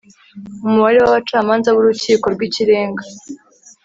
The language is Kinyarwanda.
Umubare w abacamanza b Urukiko rw Ikirenga